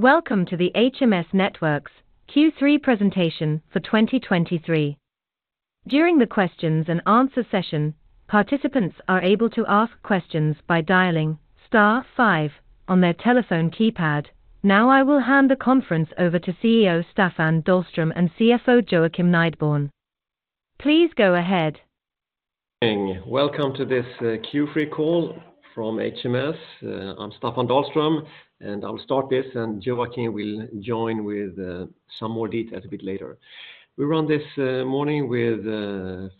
Welcome to the HMS Networks Q3 presentation for 2023. During the questions-and-answer session, participants are able to ask questions by dialing star five on their telephone keypad. Now, I will hand the conference over to CEO Staffan Dahlström and CFO Joakim Nideborn. Please go ahead.... Welcome to this Q3 call from HMS. I'm Staffan Dahlström, and I'll start this, and Joakim will join with some more details a bit later. We run this morning with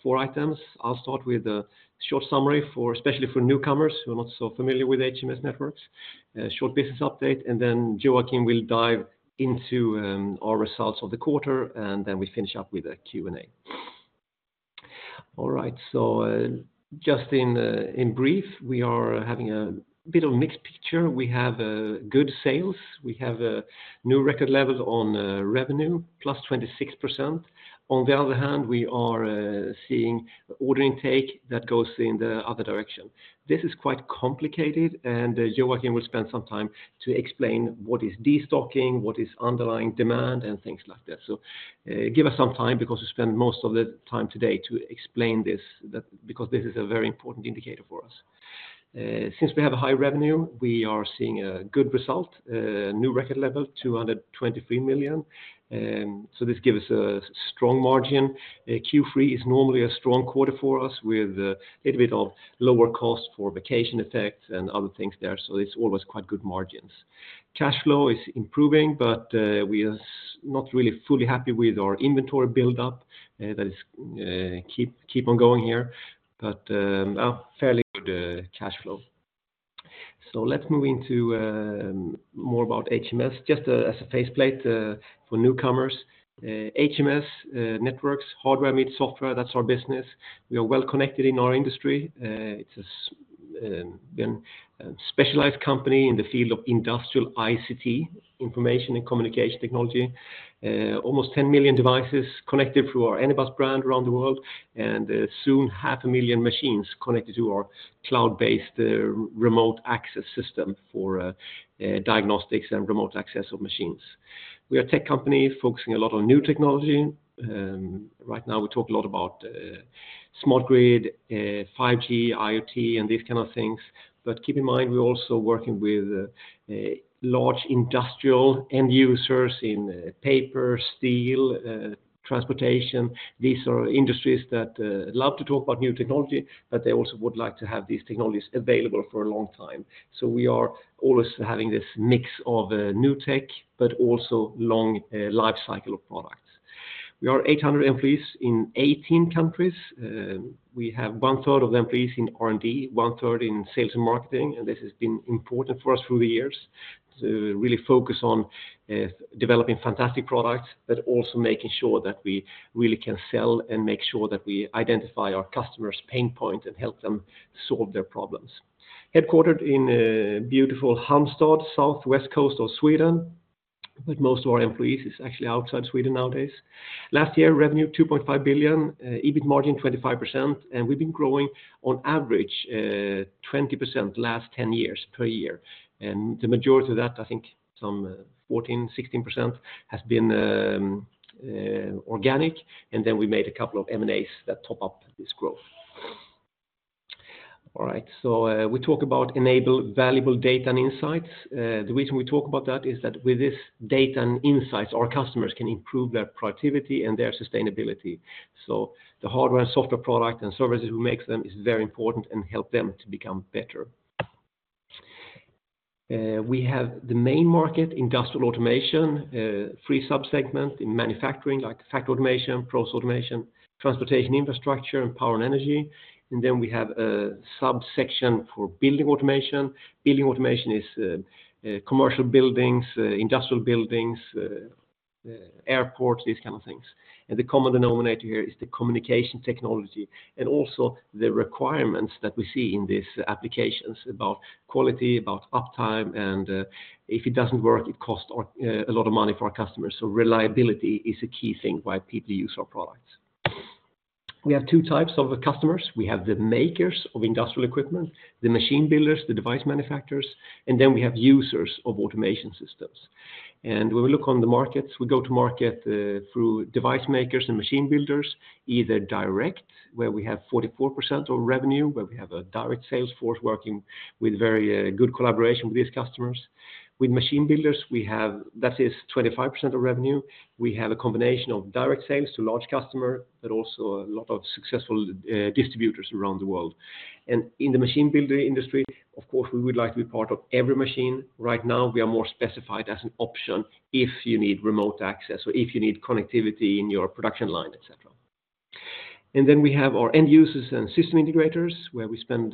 four items. I'll start with a short summary for especially for newcomers who are not so familiar with HMS Networks, a short business update, and then Joakim will dive into our results of the quarter, and then we finish up with a Q&A. All right, so just in brief, we are having a bit of a mixed picture. We have good sales. We have a new record level on revenue, plus 26%. On the other hand, we are seeing order intake that goes in the other direction. This is quite complicated, and Joakim will spend some time to explain what is destocking, what is underlying demand, and things like that. So, give us some time because we spend most of the time today to explain this, because this is a very important indicator for us. Since we have high revenue, we are seeing a good result, a new record level, 223 million. So, this gives us a strong margin. Q3 is normally a strong quarter for us, with a little bit of lower cost for vacation effects and other things there, so it's always quite good margins. Cash flow is improving, but we are not really fully happy with our inventory build-up. That is, keep on going here, but fairly good cash flow. So, let's move into more about HMS, just as a faceplate for newcomers. HMS Networks, hardware meets software, that's our business. We are well connected in our industry. It's a specialized company in the field of Industrial ICT, Information and Communication Technology. Almost 10 million devices connected through our Anybus brand around the world, and soon, 500,000 machines connected to our cloud-based remote access system for diagnostics and remote access of machines. We are a tech company focusing a lot on new technology. Right now, we talk a lot about Smart Grid, 5G, IoT, and these things. But keep in mind, we're also working with large Industrial end users in paper, steel, transportation. These are industries that love to talk about new technology, but they also would like to have these technologies available for a long time. So, we are always having this mix of new tech, but also long life cycle of products. We are 800 employees in 18 countries. We have 1/3 of employees in R&D, 1/3 in sales and marketing, and this has been important for us through the years to really focus on developing fantastic products, but also making sure that we really can sell and make sure that we identify our customers' pain points and help them solve their problems. Headquartered in beautiful Halmstad, southwest coast of Sweden, but most of our employees is actually outside Sweden nowadays. Last year, revenue, 2.5 billion, EBIT margin, 25%, and we've been growing on average 20% last 10 years per year. And the majority of that, I think some 14%-16% has been organic, and then we made a couple of M&As that top up this growth. All right, so we talk about enable valuable data and insights. The reason we talk about that is that with this data and insights, our customers can improve their productivity and their sustainability. So, the hardware and software product and services we make them is very important and help them to become better. We have the main market, Industrial Automation, three subsegments in manufacturing, like Factory automation, Process automation, Transportation Infrastructure, and Power and Energy. And then we have a subsection for Building Automation. Building Automation is commercial buildings, industrial buildings, airports, these things. And the common denominator here is the communication technology and also the requirements that we see in these applications about quality, about uptime, and if it doesn't work, it costs a lot of money for our customers. So, reliability is a key thing why people use our products. We have two types of customers. We have the makers of industrial equipment, the machine builders, the device manufacturers, and then we have users of automation systems. When we look on the markets, we go to market through device makers and machine builders, either direct, where we have 44% of revenue, where we have a direct sales force working with very good collaboration with these customers. With machine builders, we have, that is 25% of revenue. We have a combination of direct sales to large customer, but also a lot of successful distributors around the world. In the machine builder industry, of course, we would like to be part of every machine. Right now, we are more specified as an option if you need remote access or if you need connectivity in your production line, et cetera. And then we have our end users and system integrators, where we spend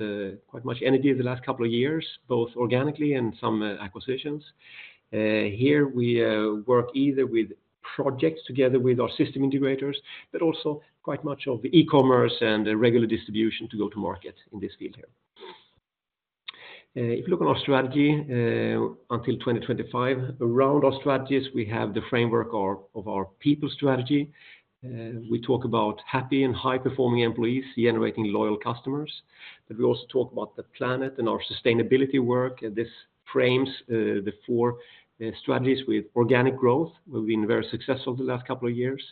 quite much energy in the last couple of years, both organically and some acquisitions. Here we work either with projects together with our system integrators, but also quite much of the e-commerce and regular distribution to go to market in this field here. If you look at our strategy, until 2025, around our strategies, we have the framework or of our people strategy. We talk about happy and high-performing employees generating loyal customers, but we also talk about the planet and our sustainability work, and this frames the four strategies with organic growth. We've been very successful the last couple of years.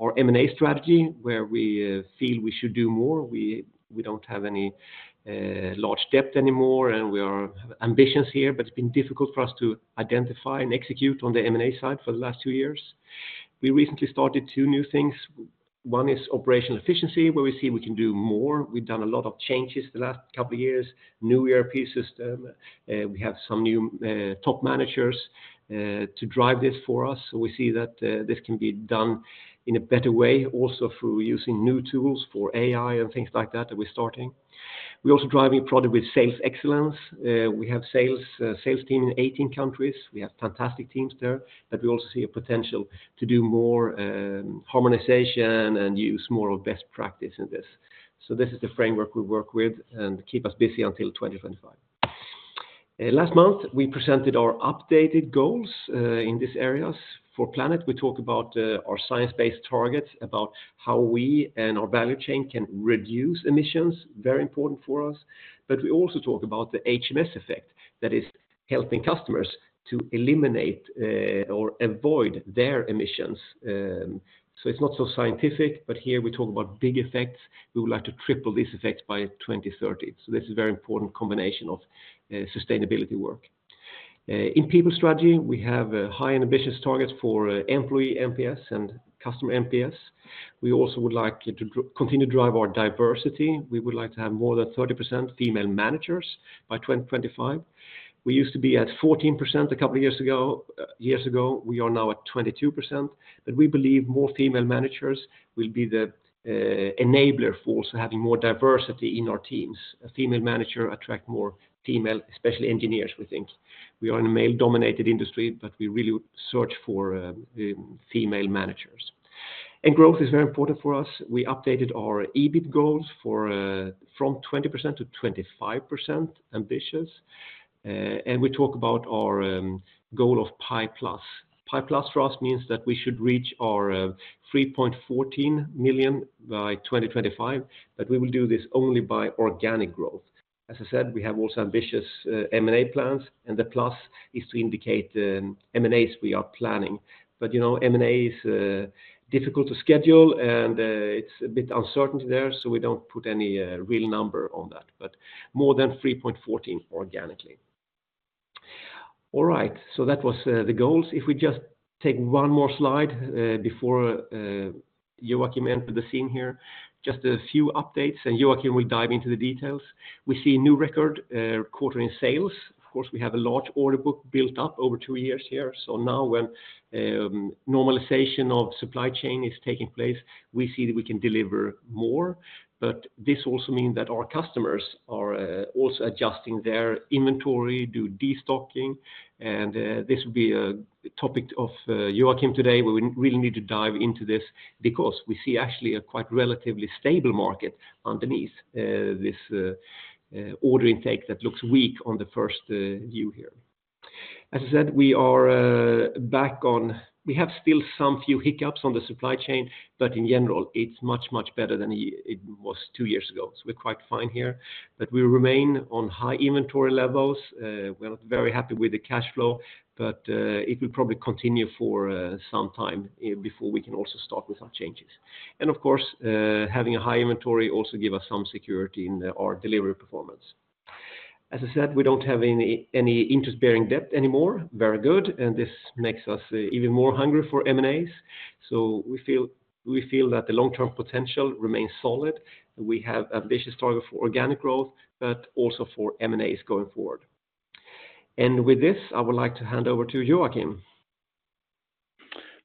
Our M&A strategy, where we feel we should do more, we don't have any large debt anymore, and we are ambitious here, but it's been difficult for us to identify and execute on the M&A side for the last two years. We recently started two new things. One is operational efficiency, where we see we can do more. We've done a lot of changes the last couple of years, new ERP system, we have some new top managers to drive this for us. So, we see that this can be done in a better way, also through using new tools for AI and things like that, that we're starting. We're also driving product with sales excellence. We have sales team in 18 countries. We have fantastic teams there, but we also see a potential to do more, harmonization and use more of best practice in this. So, this is the framework we work with and keep us busy until 2025. Last month, we presented our updated goals in these areas. For planet, we talk about our science-based targets, about how we and our value chain can reduce emissions, very important for us. But we also talk about the HMS effect, that is, helping customers to eliminate or avoid their emissions. So, it's not so scientific, but here we talk about big effects. We would like to triple this effect by 2030. So, this is a very important combination of sustainability work. In people strategy, we have a high and ambitious target for employee NPS and customer NPS. We also would like to continue to drive our diversity. We would like to have more than 30% female managers by 2025. We used to be at 14% a couple of years ago, years ago. We are now at 22%, but we believe more female managers will be the enabler for also having more diversity in our teams. A female manager attract more female, especially engineers, we think. We are in a male-dominated industry, but we really search for female managers. And growth is very important for us. We updated our EBIT goals for from 20% to 25%, ambitious. And we talk about our goal of pi plus. Pi plus for us means that we should reach our 3.14 billion by 2025, but we will do this only by organic growth. As I said, we have also ambitious M&A plans, and the plus is to indicate the M&As we are planning. But, you know, M&A is difficult to schedule and it's a bit uncertainty there, so we don't put any real number on that, but more than 3.14 billion organically. All right, so that was the goals. If we just take one more slide before Joakim enter the scene here, just a few updates, and Joakim will dive into the details. We see a new record quarter in sales. Of course, we have a large order book built up over two years here. So, now when normalization of supply chain is taking place, we see that we can deliver more, but this also mean that our customers are also adjusting their inventory, do destocking, and this will be a topic of Joakim today. We really need to dive into this because we see actually a quite relatively stable market underneath this order intake that looks weak on the first view here. As I said, we are back on. We have still some few hiccups on the supply chain, but in general, it's much, much better than it was two years ago. So, we're quite fine here, but we remain on high inventory levels. We're not very happy with the cash flow, but it will probably continue for some time before we can also start with some changes. And of course, having a high inventory also give us some security in our delivery performance. As I said, we don't have any interest-bearing debt anymore. Very good, and this makes us even more hungry for M&As. So, we feel that the long-term potential remains solid. We have ambitious target for organic growth, but also for M&As going forward. And with this, I would like to hand over to Joakim.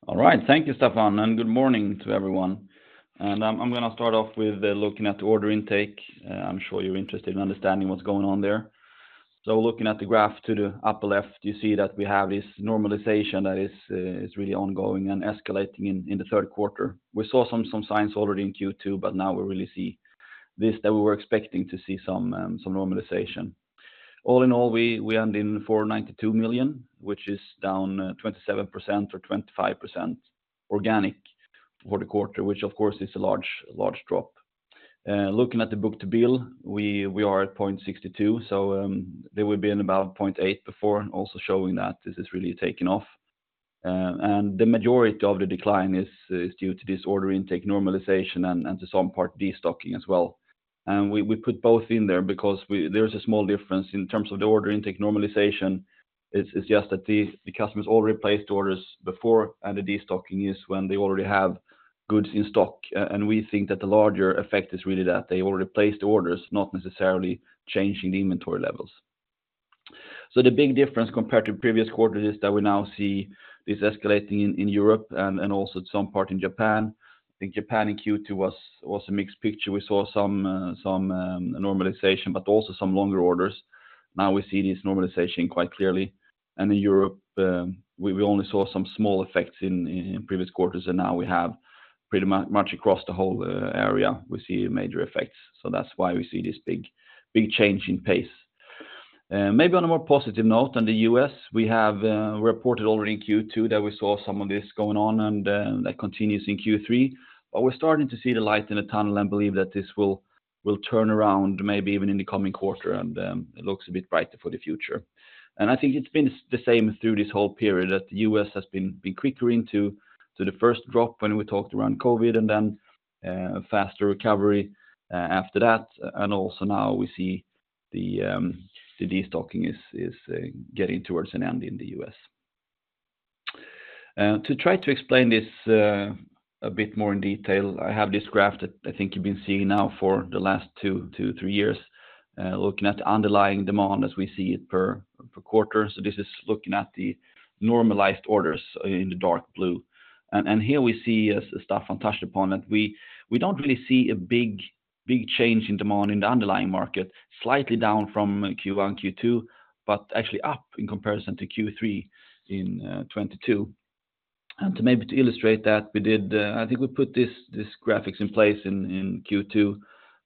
All right, thank you, Staffan, and good morning to everyone. I'm going to start off with looking at the order intake. I'm sure you're interested in understanding what's going on there. So, looking at the graph to the upper left, you see that we have this normalization that is really ongoing and escalating in the third quarter. We saw some signs already in Q2, but now we really see this, that we were expecting to see some normalization. All in all, we end in 492 million, which is down 27% or 25% organic for the quarter, which of course, is a large drop. Looking at the Book-to-Bill, we are at 0.62, so they would be in about 0.8 before, and also showing that this is really taking off. The majority of the decline is due to this order intake normalization and to some part, destocking as well. We put both in there because there's a small difference in terms of the order intake normalization. It's just that the customers already placed orders before, and the destocking is when they already have goods in stock. We think that the larger effect is really that they already placed orders, not necessarily changing the inventory levels. So, the big difference compared to previous quarters is that we now see this escalating in Europe and also at some part in Japan. I think Japan in Q2 was a mixed picture. We saw some normalization, but also some longer orders. Now, we see this normalization quite clearly. And in Europe, we only saw some small effects in previous quarters, and now we have pretty much across the whole area, we see major effects. So, that's why we see this big, big change in pace. Maybe on a more positive note, in the U.S., we have reported already in Q2 that we saw some of this going on, and that continues in Q3. But we're starting to see the light in the tunnel and believe that this will turn around maybe even in the coming quarter, and it looks a bit brighter for the future. And I think it's been the same through this whole period, that the U.S. has been quicker into the first drop when we talked around COVID, and then faster recovery after that. And also now we see the destocking is getting towards an end in the U.S. To try to explain this, a bit more in detail, I have this graph that I think you've been seeing now for the last two to three years, looking at the underlying demand as we see it per quarter. So, this is looking at the normalized orders in the dark blue. And here we see, as Staffan touched upon it, we don't really see a big change in demand in the underlying market, slightly down from Q1, Q2, but actually up in comparison to Q3 in 2022. And to maybe illustrate that, we did. I think we put this graphics in place in Q2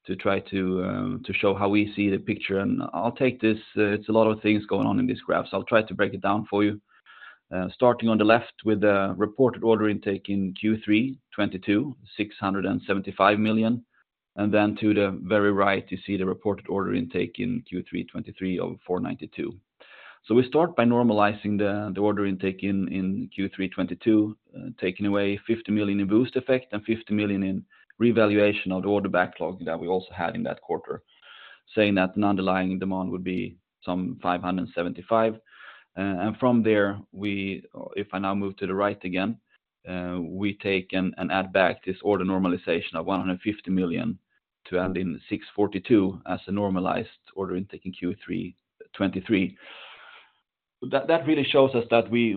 to try to show how we see the picture, and I'll take this. It's a lot of things going on in this graph, so I'll try to break it down for you. Starting on the left with the reported order intake in Q3 2022, 675 million. And then to the very right, you see the reported order intake in Q3 2023 of 492 million. So, we start by normalizing the order intake in Q3 2022, taking away 50 million in boost effect and 50 million in revaluation of the order backlog that we also had in that quarter, saying that an underlying demand would be some 575 million. And from there, if I now move to the right again, we take and add back this order normalization of 150 million to end in 642 million as a normalized order intake in Q3 2023. That, that really shows us that we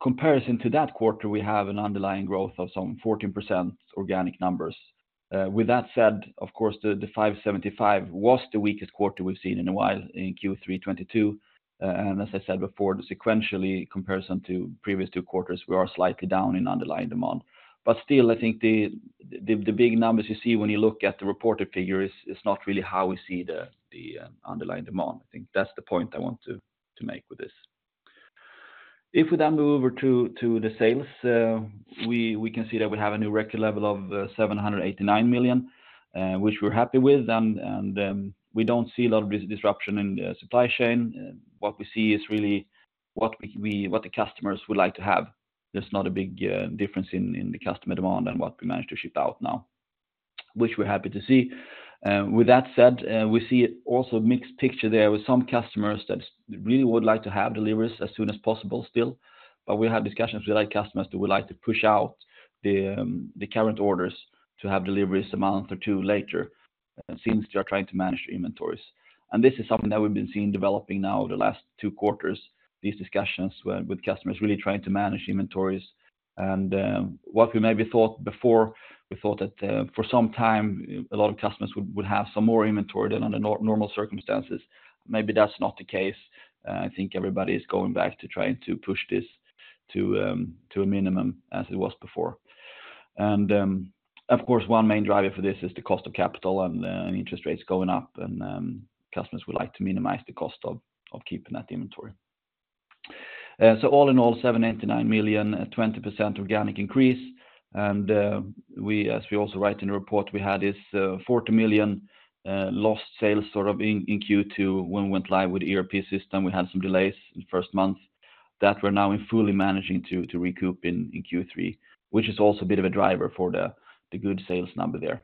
comparison to that quarter, we have an underlying growth of some 14% organic numbers. With that said, of course, the 575 million was the weakest quarter we've seen in a while in Q3 2022. And as I said before, the sequentially comparison to previous two quarters, we are slightly down in underlying demand. But still, I think the big numbers you see when you look at the reported figure is not really how we see the underlying demand. I think that's the point I want to make with this. If we then move over to the sales, we can see that we have a new record level of 789 million, which we're happy with, and we don't see a lot of disruption in the supply chain. What we see is really what the customers would like to have. There's not a big difference in the customer demand and what we manage to ship out now, which we're happy to see. With that said, we see it also a mixed picture there with some customers that really would like to have deliveries as soon as possible still. But we have discussions with like customers who would like to push out the current orders to have deliveries a month or two later, since they are trying to manage inventories. This is something that we've been seeing developing now over the last two quarters, these discussions with customers really trying to manage inventories. What we maybe thought before, we thought that, for some time, a lot of customers would have some more inventory than under normal circumstances. Maybe that's not the case. I think everybody is going back to trying to push this to a minimum, as it was before. Of course, one main driver for this is the cost of capital and interest rates going up, and customers would like to minimize the cost of keeping that inventory. So all in all, 789 million, 20% organic increase. We, as we also write in the report, we had this 40 million lost sales sort of in Q2 when we went live with the ERP system. We had some delays in the first month that we're now fully managing to recoup in Q3, which is also a bit of a driver for the good sales number there.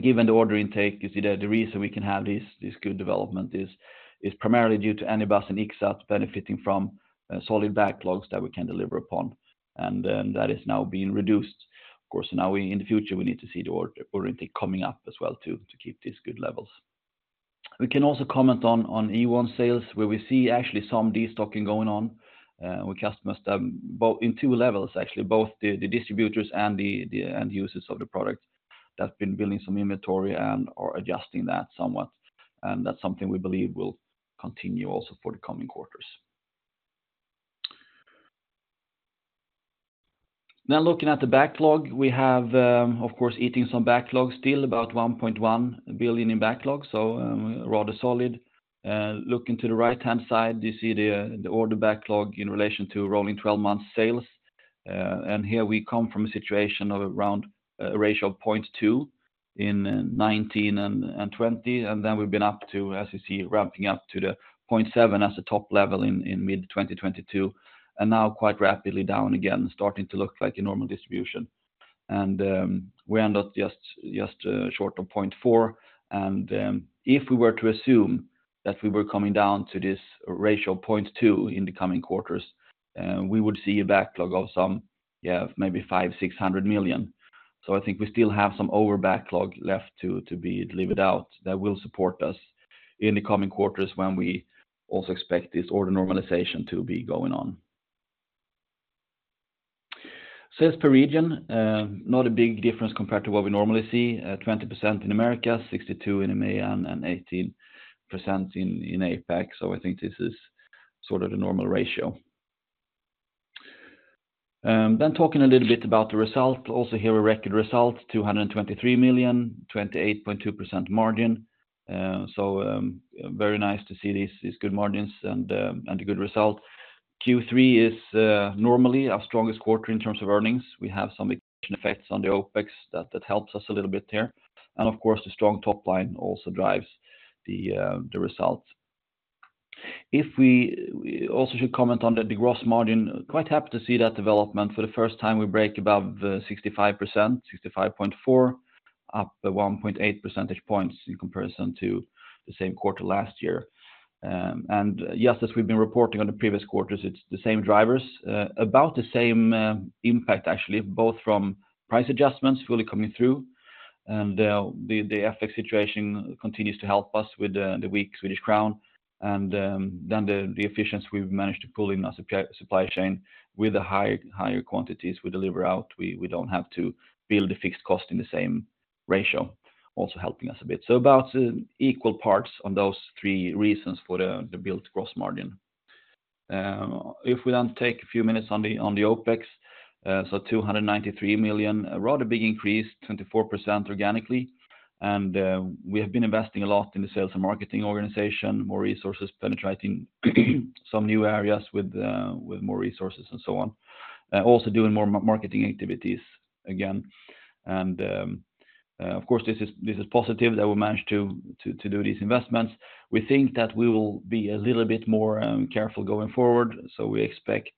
Given the order intake, you see that the reason we can have this good development is primarily due to Anybus and Ixxat benefiting from solid backlogs that we can deliver upon, and that is now being reduced. Of course, now in the future, we need to see the order intake coming up as well to keep these good levels. We can also comment on Ewon sales, where we see actually some destocking going on with customers both in two levels, actually, both the distributors and the end users of the product that's been building some inventory and are adjusting that somewhat, and that's something we believe will continue also for the coming quarters. Now, looking at the backlog, we have, of course, eaten some backlogs, still about 1.1 billion in backlog, rather solid. Looking to the right-hand side, you see the order backlog in relation to rolling 12 months sales. And here we come from a situation of around a ratio of 0.2 in 2019 and 2020, and then we've been up to, as you see, ramping up to the 0.7 as a top level in mid-2022, and now quite rapidly down again, starting to look like a normal distribution. We ended up just short of 0.4. And if we were to assume that we were coming down to this ratio of 0.2 in the coming quarters, we would see a backlog of some, yeah, maybe 500 million-600 million. So, I think we still have some overbacklog left to be delivered out that will support us in the coming quarters when we also expect this order normalization to be going on... Sales per region, not a big difference compared to what we normally see. 20% in America, 62% in EMEA, and 18% in APAC. So, I think this is sort of the normal ratio. Then talking a little bit about the result. Also here, a record result, 223 million, 28.2% margin. So, very nice to see these good margins and a good result. Q3 is normally our strongest quarter in terms of earnings. We have some effects on the OpEx that helps us a little bit there. And of course, the strong top line also drives the results. We also should comment on the gross margin. Quite happy to see that development. For the first time, we break above 65%, 65.4%, up 1.8 percentage points in comparison to the same quarter last year. Yes, as we've been reporting on the previous quarters, it's the same drivers, about the same impact actually, both from price adjustments fully coming through, and the FX situation continues to help us with the weak Swedish crown. Then the efficiency we've managed to pull in our supply chain with the higher quantities we deliver out, we don't have to build a fixed cost in the same ratio, also helping us a bit. About equal parts on those three reasons for the built gross margin. If we then take a few minutes on the OpEx, so 293 million, a rather big increase, 24% organically. We have been investing a lot in the sales and marketing organization, more resources, penetrating some new areas with more resources and so on. Also doing more marketing activities again. Of course, this is positive that we managed to do these investments. We think that we will be a little bit more careful going forward, so we expect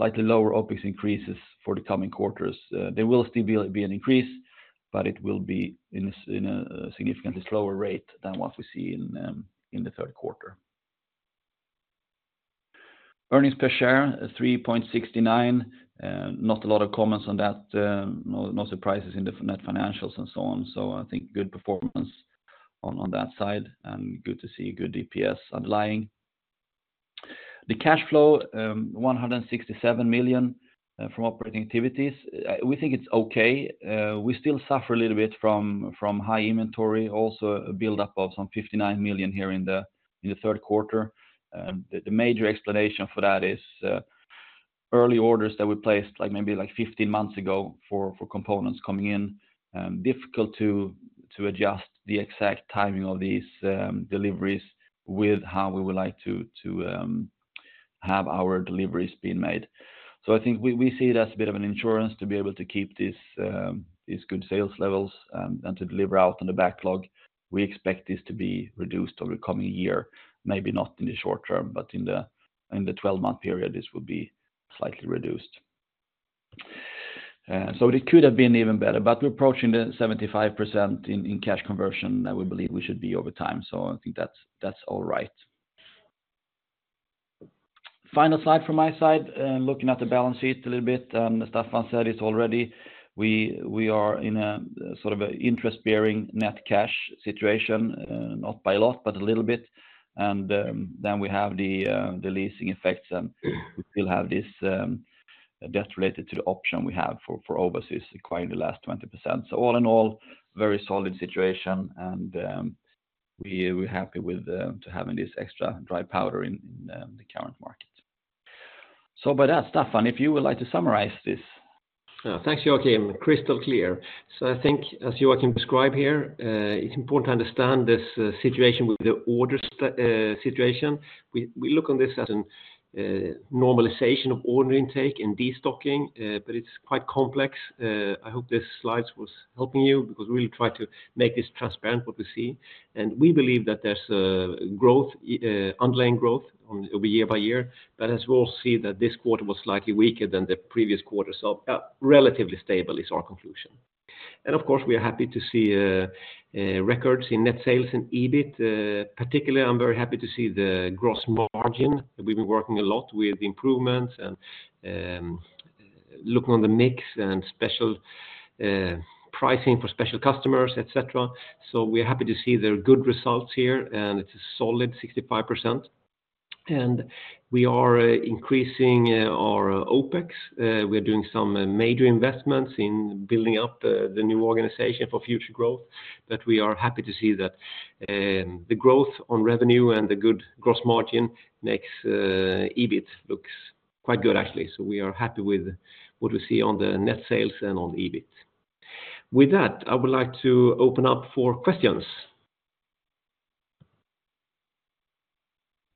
slightly lower OpEx increases for the coming quarters. They will still be an increase, but it will be in a significantly slower rate than what we see in the third quarter. Earnings per share, 3.69. Not a lot of comments on that, no surprises in the net financials and so on. So, I think good performance on that side, and good to see good DPS underlying. The cash flow, 167 million from operating activities. We think it's okay. We still suffer a little bit from high inventory, also a buildup of some 59 million here in the third quarter. The major explanation for that is early orders that were placed, like maybe 15 months ago, for components coming in, difficult to adjust the exact timing of these deliveries with how we would like to have our deliveries being made. So, I think we see it as a bit of an insurance to be able to keep these good sales levels, and to deliver out on the backlog. We expect this to be reduced over the coming year, maybe not in the short term, but in the, in the 12-month period, this will be slightly reduced. So, it could have been even better, but we're approaching the 75% in, in cash conversion that we believe we should be over time. So, I think that's, that's all right. Final slide from my side, looking at the balance sheet a little bit, Staffan said this already, we, we are in a sort of an interest-bearing net cash situation, not by a lot, but a little bit. And, then we have the, the leasing effects, and we still have this, debt related to the option we have for, for Owasis acquiring the last 20%. So, all in all, very solid situation, and we're happy with to having this extra dry powder in the current market. So by that, Staffan, if you would like to summarize this. Thanks, Joakim. Crystal clear. So, I think as Joakim described here, it's important to understand this situation with the order situation. We look on this as an normalization of order intake and destocking, but it's quite complex. I hope this slides was helping you because we really try to make this transparent, what we see. And we believe that there's a growth underlying growth on year by year, but as we all see that this quarter was slightly weaker than the previous quarter, so relatively stable is our conclusion. And of course, we are happy to see records in net sales and EBIT. Particularly, I'm very happy to see the gross margin. We've been working a lot with improvements and looking on the mix and special pricing for special customers, et cetera. So, we're happy to see there are good results here, and it's a solid 65%. And we are increasing our OpEx. We're doing some major investments in building up the new organization for future growth, but we are happy to see that the growth on revenue and the good gross margin makes EBIT looks quite good, actually. So, we are happy with what we see on the net sales and on EBIT. With that, I would like to open up for questions.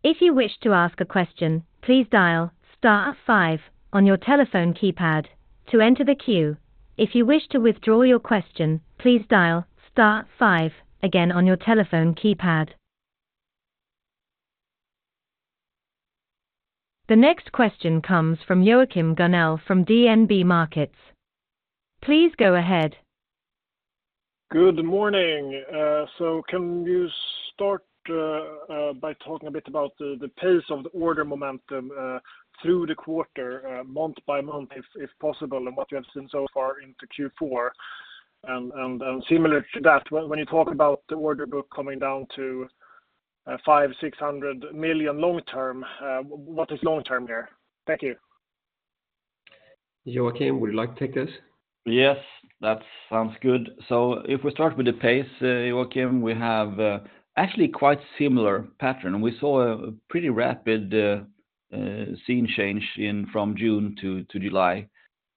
If you wish to ask a question, please dial star five on your telephone keypad to enter the queue. If you wish to withdraw your question, please dial star five again on your telephone keypad. The next question comes from Joachim Gunell from DNB Markets. Please go ahead. Good morning. So, can you start by talking a bit about the pace of the order momentum through the quarter, month by month, if possible, and what you have seen so far into Q4? And similar to that, when you talk about the order book coming down to 500 million-600 million long term. What is long term there? Thank you. Joakim, would you like to take this? Yes, that sounds good. So, if we start with the pace, Joakim, we have actually quite similar pattern. We saw a pretty rapid scene change from June to July,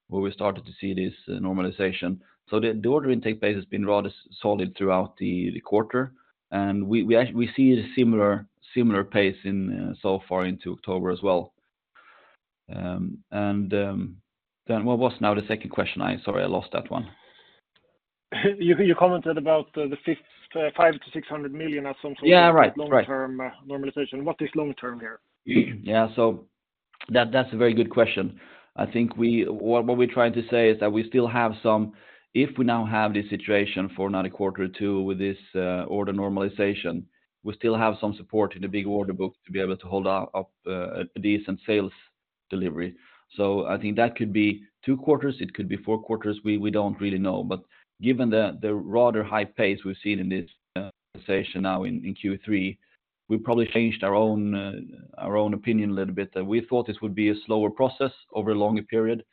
where we started to see this normalization. So, the order intake base has been rather solid throughout the quarter, and we see a similar pace so far into October as well. And then what was now the second question? Sorry, I lost that one. You, you commented about the fifth, 500 million-600 million as some sort of- Yeah, right. -long-term, normalization. What is long term here? Yeah, so that, that's a very good question. I think we, what, what we're trying to say is that we still have some... If we now have this situation for another quarter or two with this, order normalization, we still have some support in the big order book to be able to hold up, a decent sales delivery. So, I think that could be two quarters, it could be four quarters, we, we don't really know. But given the, the rather high pace we've seen in this, conversation now in, in Q3, we probably changed our own, our own opinion a little bit, that we thought this would be a slower process over a longer period.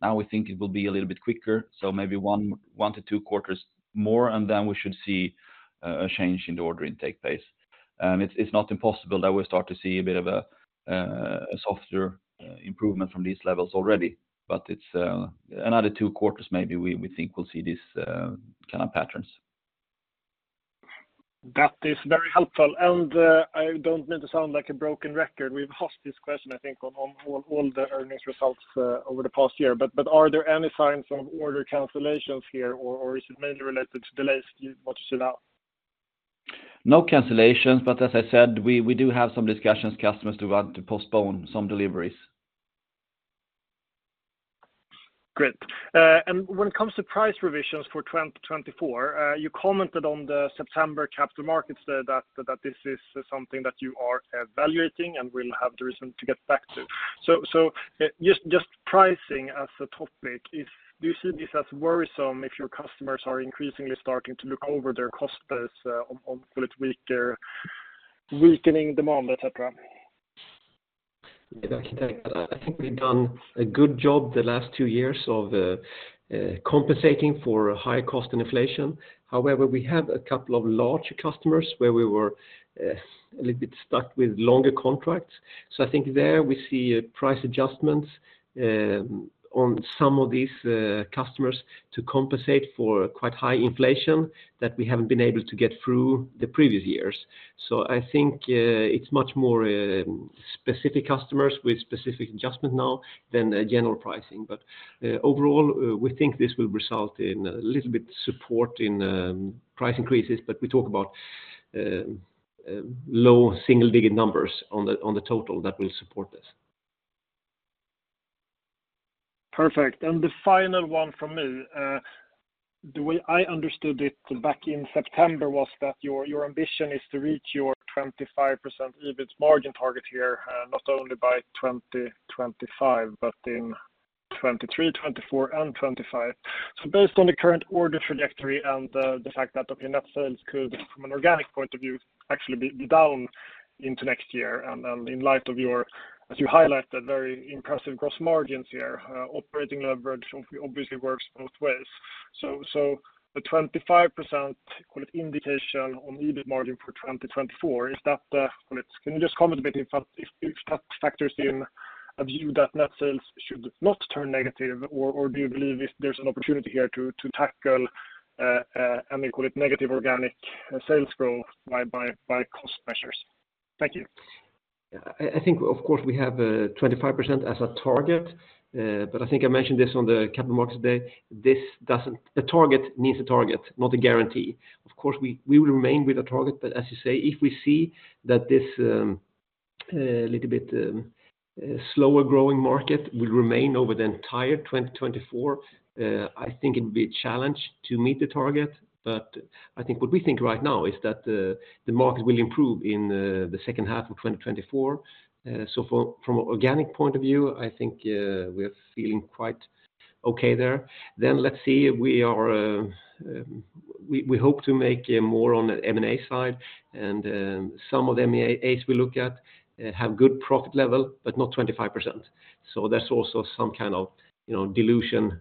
Now we think it will be a little bit quicker, so maybe one to two quarters more, and then we should see a change in the order intake pace. It's not impossible that we'll start to see a bit of a softer improvement from these levels already, but it's another two quarters, maybe we think we'll see these kind of patterns. That is very helpful. And, I don't mean to sound like a broken record. We've asked this question, I think, on all the earnings results over the past year, but are there any signs of order cancellations here, or is it mainly related to delays you want to sit out? No cancellations, but as I said, we do have some discussions, customers who want to postpone some deliveries. Great. And when it comes to price revisions for 2024, you commented on the September capital markets that this is something that you are evaluating and will have the reason to get back to. So, just pricing as a topic, is-do you see this as worrisome if your customers are increasingly starting to look over their costs as on a little weaker, weakening demand, et cetera? I think we've done a good job the last two years of compensating for high cost and inflation. However, we have a couple of large customers where we were a little bit stuck with longer contracts. So, I think there we see price adjustments on some of these customers to compensate for quite high inflation that we haven't been able to get through the previous years. So, I think it's much more specific customers with specific adjustment now than a general pricing. But overall, we think this will result in a little bit support in price increases, but we talk about low single-digit numbers on the total that will support this. Perfect. The final one from me. The way I understood it back in September was that your ambition is to reach your 25% EBIT margin target here, not only by 2025, but in 2023, 2024 and 2025. So, based on the current order trajectory and the fact that your net sales could, from an organic point of view, actually be down into next year, and in light of your, as you highlighted, very impressive gross margins here, operating leverage obviously works both ways. So, the 25%, call it indication on EBIT margin for 2024, is that, well, can you just comment a bit if that factors in a view that net sales should not turn negative, or do you believe if there's an opportunity here to tackle, and we call it negative organic sales growth by cost measures? Thank you. I think, of course, we have 25% as a target, but I think I mentioned this on the Capital Markets Day. This doesn't. A target means a target, not a guarantee. Of course, we will remain with a target, but as you say, if we see that this little bit slower-growing market will remain over the entire 2024, I think it will be a challenge to meet the target. But I think what we think right now is that the market will improve in the second half of 2024. So, from an organic point of view, I think we are feeling quite okay there. Then let's see, we are, we hope to make more on the M&A side, and some of the M&As we look at have good profit level, but not 25%. So, there's also some kind of, you know, dilution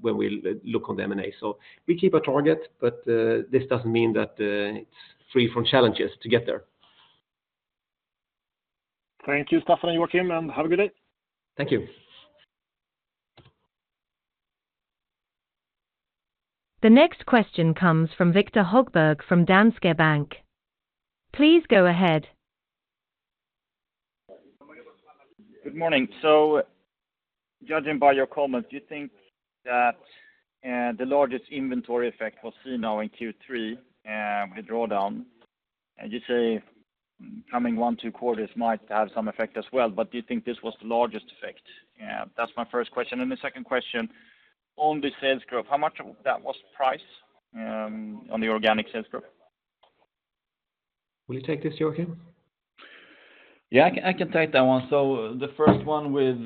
when we look on the M&A. So, we keep our target, but this doesn't mean that it's free from challenges to get there. Thank you, Staffan and Joakim, and have a good day. Thank you. The next question comes from Viktor Högberg from Danske Bank. Please go ahead. Good morning. So, judging by your comments, do you think that the largest inventory effect was seen now in Q3 with drawdown? And you say coming one, two quarters might have some effect as well, but do you think this was the largest effect? That's my first question. And the second question, on the sales growth, how much of that was price on the organic sales growth? Will you take this, Joakim?... Yeah, I can take that one. So the first one with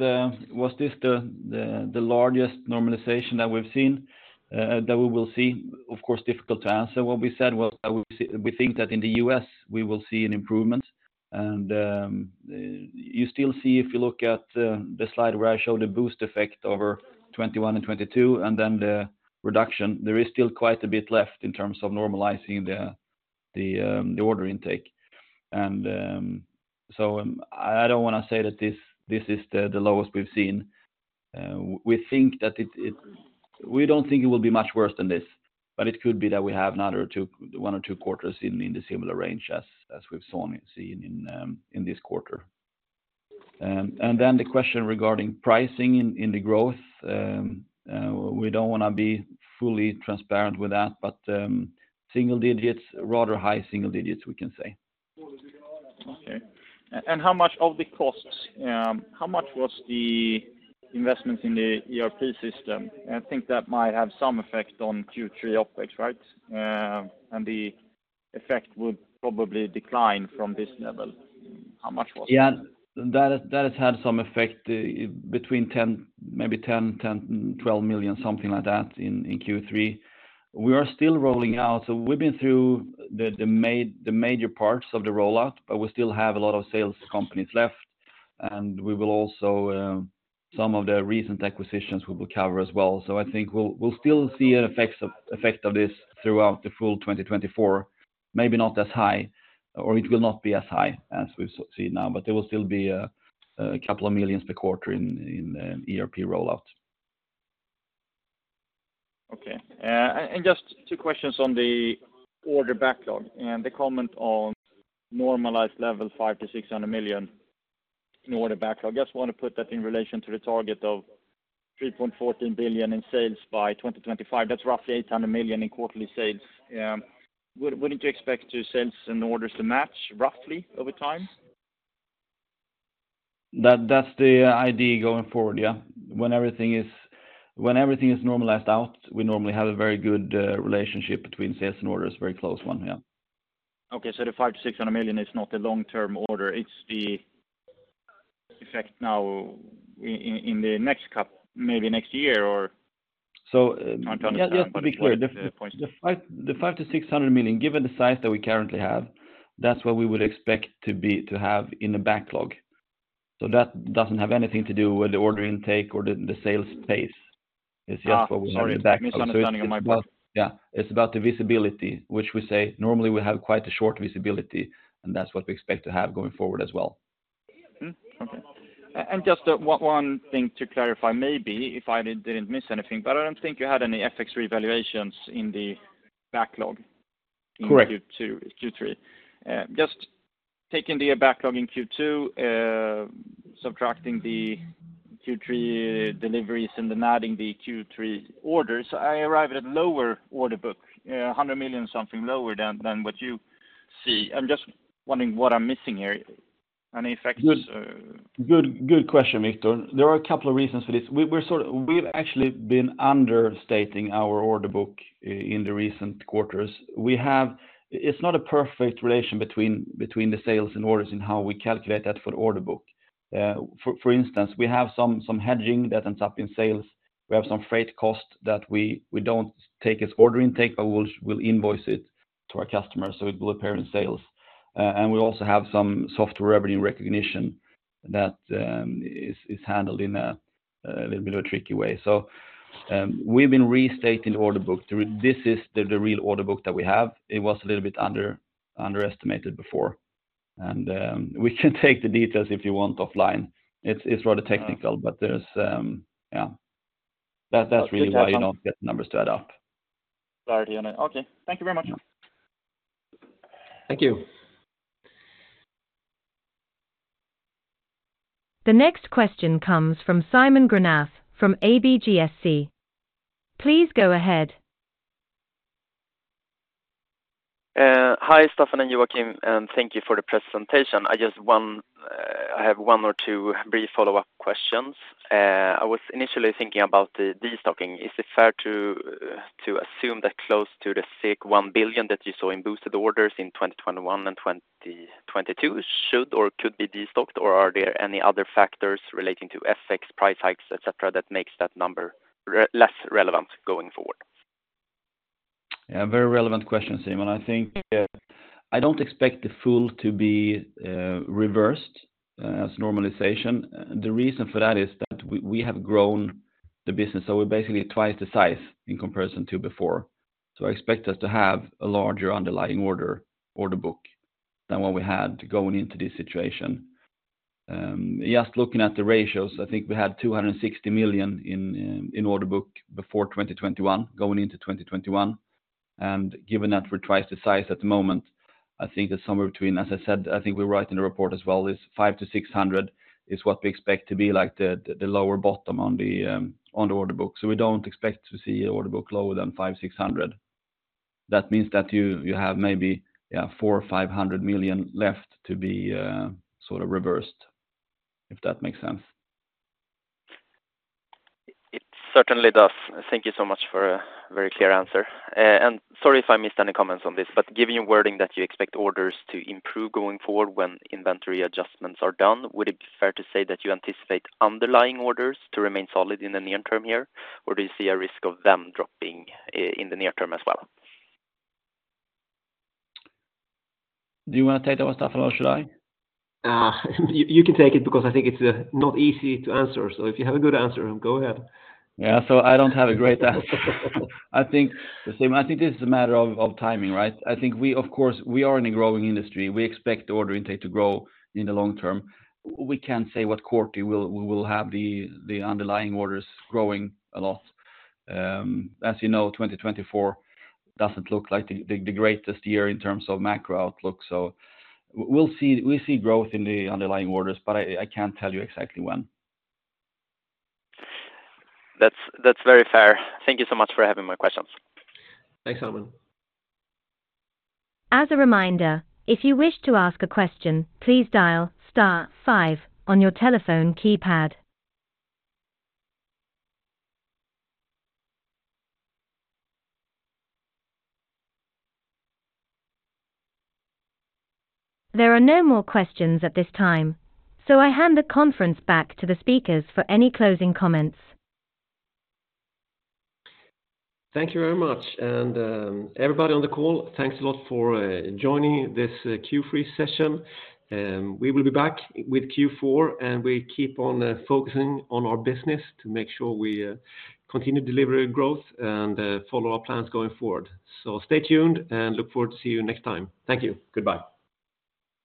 was this the largest normalization that we've seen that we will see? Of course, difficult to answer. What we said was that we see we think that in the U.S., we will see an improvement. And you still see, if you look at the slide where I showed a boost effect over 2021 and 2022, and then the reduction, there is still quite a bit left in terms of normalizing the order intake. And so I don't want to say that this is the lowest we've seen. We think that it—we don't think it will be much worse than this, but it could be that we have another two, one or two quarters in the similar range as we've seen in this quarter. And then the question regarding pricing in the growth, we don't want to be fully transparent with that, but single digits, rather high single digits, we can say. Okay. And how much of the costs, how much was the investments in the ERP system? I think that might have some effect on Q3 OpEx, right? And the effect would probably decline from this level. How much was it? Yeah, that has had some effect between 10 million, maybe 10 million-12 million, something like that, in Q3. We are still rolling out, so we've been through the major parts of the rollout, but we still have a lot of sales companies left, and we will also some of the recent acquisitions we will cover as well. So, I think we'll still see an effect of this throughout the full 2024. Maybe not as high, or it will not be as high as we've seen now, but there will still be a couple of millions per quarter in ERP rollout. Okay. And just two questions on the order backlog, and the comment on normalized level 500 million-600 million in order backlog. Just want to put that in relation to the target of 3.14 billion in sales by 2025. That's roughly 800 million in quarterly sales. Would, wouldn't you expect your sales and orders to match roughly over time? That, that's the idea going forward, yeah. When everything is... When everything is normalized out, we normally have a very good relationship between sales and orders. Very close one, yeah. Okay, so the 500 million-600 million is not a long-term order, it's the effect now in the next couple, maybe next year, or? So- Trying to understand- Yeah, just to be clear, the 500 million-600 million, given the size that we currently have, that's what we would expect to be, to have in the backlog. So, that doesn't have anything to do with the order intake or the sales pace. It's just what we have in the backlog. Ah, sorry. Misunderstanding on my part. Yeah. It's about the visibility, which we say normally we have quite a short visibility, and that's what we expect to have going forward as well. Mm-hmm. Okay. Just one thing to clarify, maybe, if I didn't miss anything, but I don't think you had any FX revaluations in the backlog... Correct.... in Q2, Q3. Just taking the backlog in Q2, subtracting the Q3 deliveries and then adding the Q3 orders, I arrive at a lower order book, 100 million, something lower than, than what you see. I'm just wondering what I'm missing here. Any effects... Good, good question, Viktor. There are a couple of reasons for this. We're sort of. We've actually been understating our order book in the recent quarters. We have. It's not a perfect relation between the sales and orders and how we calculate that for the order book. For instance, we have some hedging that ends up in sales. We have some freight costs that we don't take as order intake, but we'll invoice it to our customers, so it will appear in sales. And we also have some software revenue recognition that is handled in a little bit of a tricky way. So, we've been restating the order book. This is the real order book that we have. It was a little bit underestimated before. We can take the details if you want offline. It's rather technical, but there's... Yeah. That's really why you don't get the numbers to add up. Sorry. Okay. Thank you very much. Thank you. The next question comes from Simon Granath, from ABGSC. Please go ahead. Hi, Staffan and Joakim, and thank you for the presentation. I have one or two brief follow-up questions. I was initially thinking about the destocking. Is it fair to assume that close to the 1 billion that you saw in boosted orders in 2021 and 2022 should or could be destocked, or are there any other factors relating to FX, price hikes, et cetera, that makes that number less relevant going forward? Yeah, very relevant question, Simon. I think I don't expect the full to be reversed as normalization. The reason for that is that we have grown the business, so we're basically twice the size in comparison to before. So, I expect us to have a larger underlying order book than what we had going into this situation. Just looking at the ratios, I think we had 260 million in order book before 2021, going into 2021. And given that we're twice the size at the moment, I think it's somewhere between, as I said, I think we wrote in the report as well, is 500 million-600 million is what we expect to be like the lower bottom on the order book. So, we don't expect to see an order book lower than 500 million-600 million. That means that you have maybe, yeah, 400 million-500 million left to be sort of reversed, if that makes sense. It certainly does. Thank you so much for a very clear answer. Sorry, if I missed any comments on this, but given your wording that you expect orders to improve going forward when inventory adjustments are done, would it be fair to say that you anticipate underlying orders to remain solid in the near term here, or do you see a risk of them dropping in the near term as well? Do you want to take that one, Staffan, or should I? You can take it because I think it's not easy to answer. So, if you have a good answer, go ahead. Yeah, so I don't have a great answer. I think the same. I think this is a matter of timing, right? I think we, of course, we are in a growing industry. We expect order intake to grow in the long term. We can't say what quarter we will have the underlying orders growing a lot. As you know, 2024 doesn't look like the greatest year in terms of macro-outlook, so we'll see. We see growth in the underlying orders, but I can't tell you exactly when. That's, that's very fair. Thank you so much for having my questions. Thanks, Simon. As a reminder, if you wish to ask a question, please dial star five on your telephone keypad. There are no more questions at this time, so I hand the conference back to the speakers for any closing comments. Thank you very much. Everybody on the call, thanks a lot for joining this Q3 session. We will be back with Q4, and we keep on focusing on our business to make sure we continue to deliver growth and follow our plans going forward. Stay tuned and look forward to see you next time. Thank you. Goodbye!